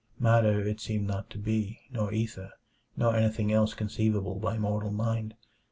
Matter it seemed not to be, nor ether, nor anything else conceivable by mortal mind.